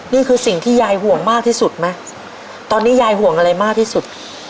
นี่คือสิ่งที่ยายห่วงมากที่สุดไหมตอนนี้ยายห่วงอะไรมากที่สุด